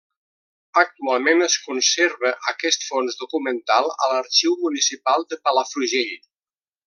Actualment es conserva aquest fons documental a l'Arxiu Municipal de Palafrugell.